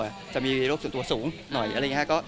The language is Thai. อยากจะมีโลคส่วนตัวสูงหน่อยเราก็